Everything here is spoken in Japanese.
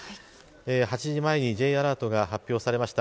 ８時前にＪアラートが発表されました。